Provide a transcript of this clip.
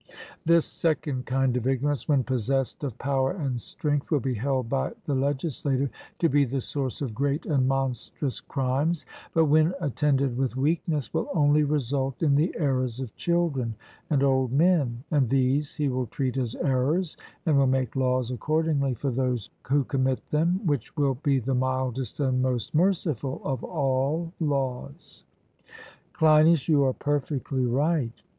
This second kind of ignorance, when possessed of power and strength, will be held by the legislator to be the source of great and monstrous crimes, but when attended with weakness, will only result in the errors of children and old men; and these he will treat as errors, and will make laws accordingly for those who commit them, which will be the mildest and most merciful of all laws. CLEINIAS: You are perfectly right.